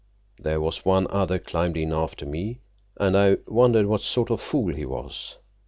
There was one other climbed in after me, and I wondered what sort of fool he was.